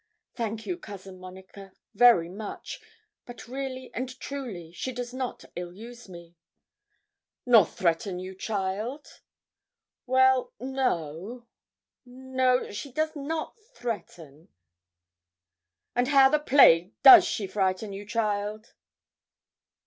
'Thank you, Cousin Monica very much; but really and truly she does not ill use me.' 'Nor threaten you, child?' 'Well, no no, she does not threaten.' 'And how the plague does she frighten you, child?'